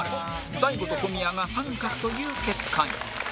大悟と小宮が△という結果に